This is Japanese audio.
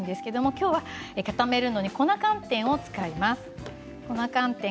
きょうは固めるのに粉寒天を使います。